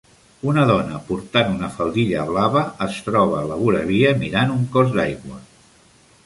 Una dona portant una faldilla blava es troba a la voravia mirant un cos d'aigua.